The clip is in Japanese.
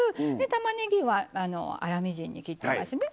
たまねぎは粗みじんに切ってますね。